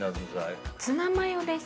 ツナマヨです。